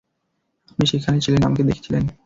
আপনি সেখানে ছিলেন, আমাকে দেখেছিলেন!